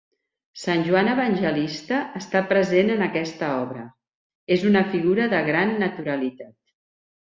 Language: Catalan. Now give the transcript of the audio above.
Sant Joan Evangelista està present en aquesta obra, és una figura de gran naturalitat.